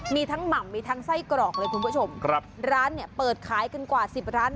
มีทั้งหม่ำมีทั้งไส้กรอกเลยคุณผู้ชมครับร้านเนี่ยเปิดขายกันกว่าสิบร้าน